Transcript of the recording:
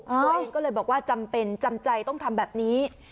ตัวเองก็เลยบอกว่าจำเป็นจำใจต้องทำแบบนี้